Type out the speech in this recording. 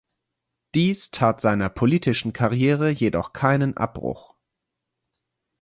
Dies tat seiner politischen Karriere jedoch keinen Abbruch.